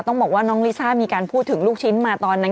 ต้องบอกว่าน้องลิซ่ามีการพูดถึงลูกชิ้นมาตอนนั้น